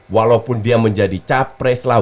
walaupun dia menjadi capres lah